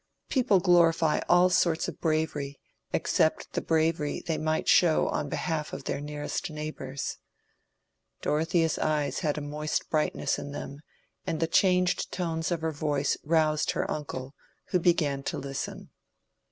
People glorify all sorts of bravery except the bravery they might show on behalf of their nearest neighbors." Dorothea's eyes had a moist brightness in them, and the changed tones of her voice roused her uncle, who began to listen.